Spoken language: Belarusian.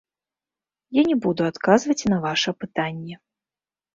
Я не буду адказваць на ваша пытанне.